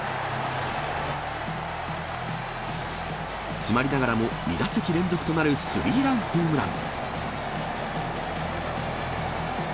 詰まりながらも２打席連続となるスリーランホームラン。